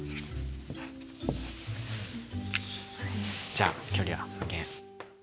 じゃあ距離は無限。